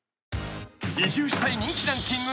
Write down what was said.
［移住したい人気ランキング